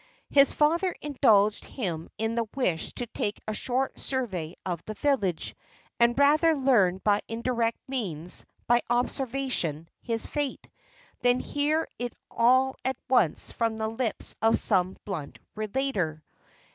His father indulged him in the wish to take a short survey of the village, and rather learn by indirect means, by observation, his fate, than hear it all at once from the lips of some blunt relater.